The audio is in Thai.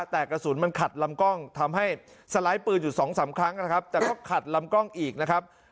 แต่กระสุนมันขัดลำกล้องทำให้สไลด์ปืนอยู่สองสามครั้งนะครับแต่ก็ขัดลำกล้องอีกนะครับ